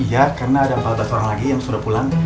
ya karena ada empat belas orang lagi yang sudah pulang